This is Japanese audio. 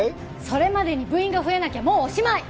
それまでに部員が増えなきゃもうおしまい！